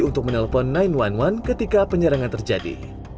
untuk menelpon sembilan ratus sebelas ketika penyerangan terjadi